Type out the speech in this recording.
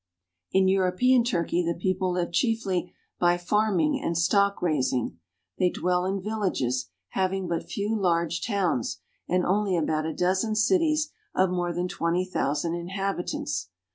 In European Turkey the people live chiefly by farming and stock raising. They dwell in villages, having but few large towns, and only about a dozen cities of more than twenty thousand inhabitants.